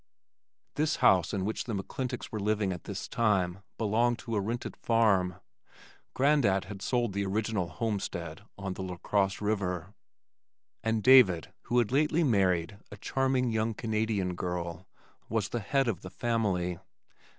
This house in which the McClintocks were living at this time, belonged to a rented farm. Grandad had sold the original homestead on the LaCrosse River, and David who had lately married a charming young Canadian girl, was the head of the family.